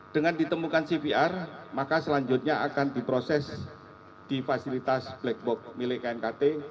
dengan ditemukan cvr maka selanjutnya akan diproses di fasilitas black box milik knkt